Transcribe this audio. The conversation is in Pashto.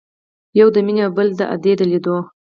يوه د مينې او بله د ادې د ليدو.